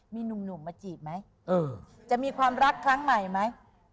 มีหนุ่มมาจีบไหมจะมีความรักครั้งใหม่ไหม